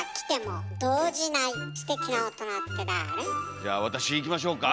じゃあ私いきましょうか？